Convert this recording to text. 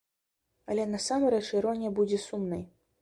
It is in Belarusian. Але насамрэч іронія будзе сумнай.